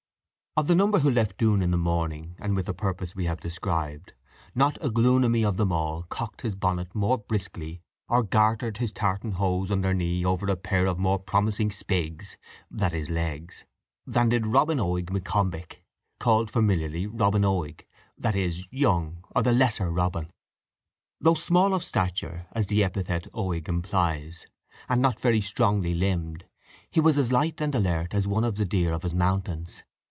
Of the number who left Doune in the morning, and with the purpose we have described, not a glunamie of them all cocked his bonnet more briskly, or gartered his tartan hose under knee over a pair of more promising spigs (legs), than did Robin Oig M'Combich, called familiarly Robin Oig, that is, Young, or the Lesser Robin. Though small of stature, as the epithet Oig implies, and not very strongly limbed, he was as light and alert as one of the deer of his mountains.